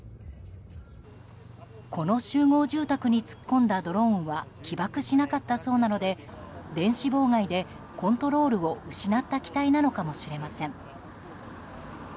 この集合住宅に突っ込んだドローンは起爆しなかったそうなので電子妨害でコントロールを失った機体なのかもしれません。